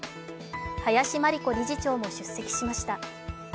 林真理子理事長も出席しました。